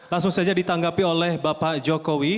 langsung saja ditanggapi oleh bapak jokowi